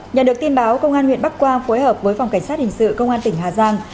nhận được tin báo công an huyện bắc quang phối hợp với phòng cảnh sát hình sự công an tỉnh hà giang